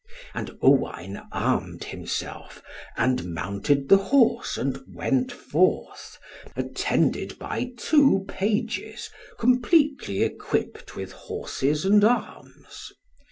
And Owain armed himself, and mounted the horse, and went forth, attended by two pages completely equipped, with horses and arms.